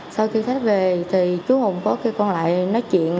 sau khi khách về thì chú hùng có kêu con lại nói chuyện